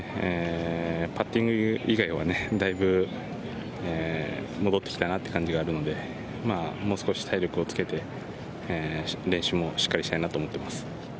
パッティング以外は、だいぶ戻ってきたなという感じがあるので、もう少し体力をつけて、練習もしっかりしたいなと思っています。